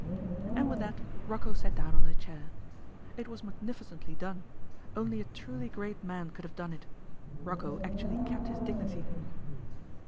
And with that Rocco sat down on a chair. It was magnificently done. Only a truly great man could have done it. Rocco actually kept his dignity.